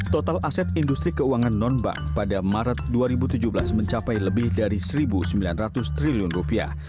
total aset industri keuangan non bank pada maret dua ribu tujuh belas mencapai lebih dari satu sembilan ratus triliun rupiah